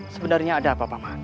sebenarnya ada apa paman